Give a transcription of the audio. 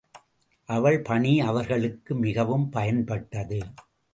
அவள் பணி அவர்களுக்கு மிகவும் பயன்பட்டது.